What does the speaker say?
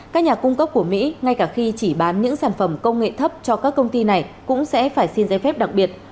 các nhà cung cấp của mỹ ngay cả khi chỉ bán những sản phẩm công nghệ thấp cho các công ty này cũng sẽ phải xin giấy phép đặc biệt